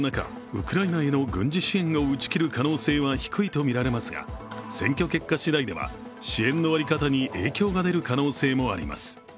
ウクライナへの軍事支援を打ち切る可能性は低いとみられますが、選挙結果しだいでは支援の在り方に影響が出る可能性もあります。